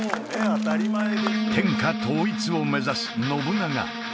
天下統一を目指す信長